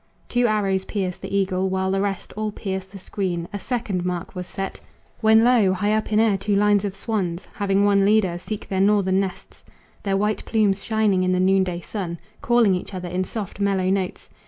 Two arrows pierce the eagle, while the rest All pierce the screen. A second mark was set, When lo! high up in air two lines of swans, Having one leader, seek their northern nests, Their white plumes shining in the noonday sun, Calling each other in soft mellow notes.